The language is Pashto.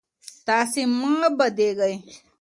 تاسي مه بېدېږئ.